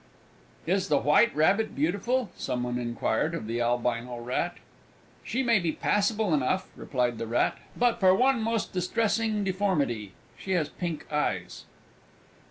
"Is the White Rabbit beautiful?" someone inquired of the Albino Rat. "She might be passable enough," replied the Rat, "but for one most distressing deformity. She has pink eyes!"